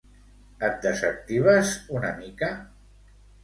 Et desactives una mica?